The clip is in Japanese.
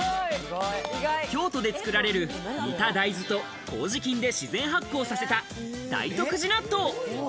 京都で作られる煮た大豆と麹菌で自然発酵させた大徳寺納豆を。